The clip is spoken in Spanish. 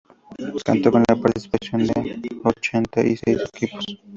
Contó con la participación de ochenta y seis equipos.